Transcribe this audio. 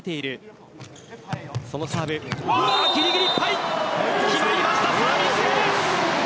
ぎりぎりいっぱい決まりましたサービスエース。